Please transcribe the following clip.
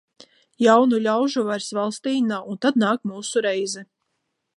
Jaunu ļaužu vairs valstī nav, un tad nāk mūsu reize.